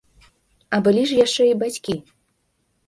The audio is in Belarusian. А былі ж яшчэ і бацькі!